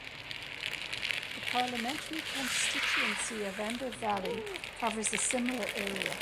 The parliamentary constituency of Amber Valley covers a similar area.